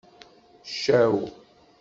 Ccaw.